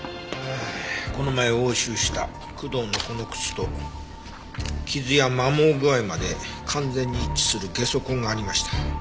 この前押収した工藤のこの靴と傷や摩耗具合まで完全に一致するゲソ痕がありました。